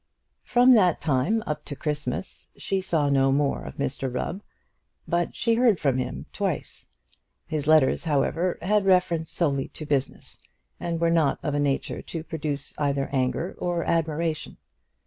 From that time up to Christmas she saw no more of Mr Rubb; but she heard from him twice. His letters, however, had reference solely to business, and were not of a nature to produce either anger or admiration.